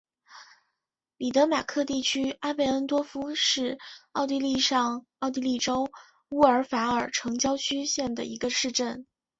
里德马克地区阿贝恩多夫是奥地利上奥地利州乌尔法尔城郊县的一个市镇。